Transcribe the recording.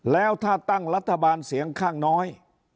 แล้วถ้าตั้งรัฐบาลเสียงข้างน้อย